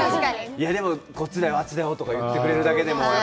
いや、でも、こっちだよ、あっちだよって言ってくれるだけでも。